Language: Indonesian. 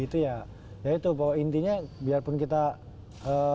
ya itu bahwa intinya biarpun kita ketemu teman sendiri ya kita juga saling sama sama tau kan